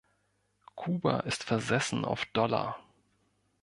Kuba ist versessen auf Dollar.